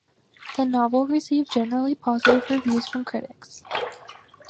The novel received generally positive reviews from critics.